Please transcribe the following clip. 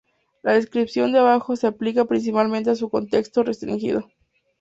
Las descripciones de abajo se aplican principalmente a su contexto restringido.